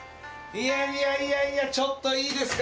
いやいやいやちょっといいですか？